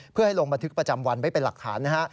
เพื่อให้ลงบันทึกประจำวันไว้เป็นหลักฐานนะฮะ